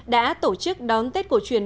đã tổ chức đón tết cổ truyền